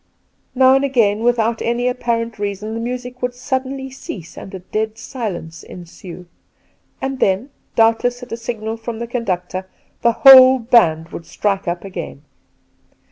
N^ow and again, without any apparent reason, the music would suddenly cease and a dead silence ensue ; and then, doubtless at a signal from the conductor, the whole band would strike up again.